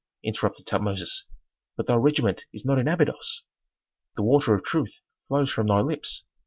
interrupted Tutmosis. "But thy regiment is not in Abydos?" "The water of truth flows from thy lips.